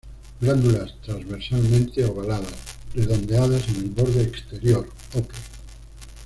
Glándulas transversalmente ovaladas, redondeadas en el borde exterior, ocre.